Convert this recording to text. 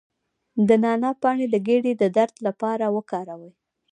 د نعناع پاڼې د ګیډې د درد لپاره وکاروئ